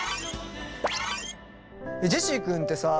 ジェシー君ってさあ。